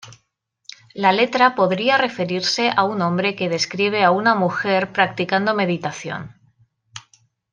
La letra podría referirse a un hombre que describe a una mujer practicando meditación.